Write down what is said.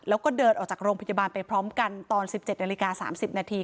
แล้วก็เดินออกจากโรงพยาบาลไปพร้อมกันตอน๑๗นาฬิกา๓๐นาที